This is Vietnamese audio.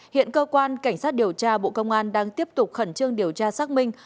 hiện cơ quan cảnh sát điều tra bộ công an đang tiếp tục khẩn trương điều tra xác minh